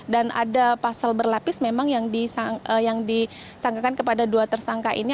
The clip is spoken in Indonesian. dan pasal berlapis memang yang dicangkakan kepada dua tersangka ini